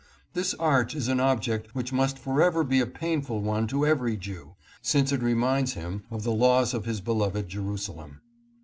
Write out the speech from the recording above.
This arch is an object which must forever be a painful one to every Jew, since it reminds him of the loss of his be 696 THE ARCH OF TITUS. loved Jerusalem.